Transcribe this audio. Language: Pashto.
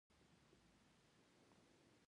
هغه غوښتل چې حاضرو کسانو ته لنډه وینا وکړي